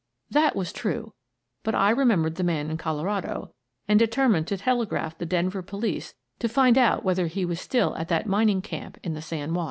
That was true, but I remembered the man in Colorado and determined to telegraph the Denver police to find out whether he was still at that min ing camp in the San Juan.